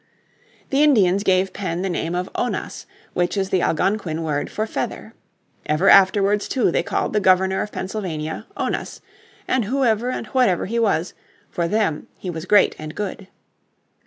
The Indians gave Penn the name of Onas which is the Algonquin word for Feather. Ever afterwards too they called the Governor of Pennsylvania Onas, and whoever and whatever he was, for them he was great and good.